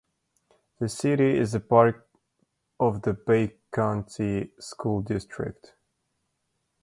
The city is part of the Bay County School District.